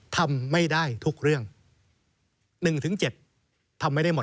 ทำไม่ได้ทุกเรื่อง๑๗ทำไม่ได้หมด